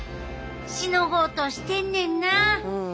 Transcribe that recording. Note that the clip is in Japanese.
しのごうとしてんねんなあ。